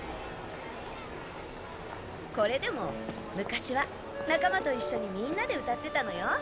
これでも昔は仲間と一緒にみんなで歌ってたのよ。